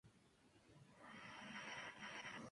No lo pudimos sacar.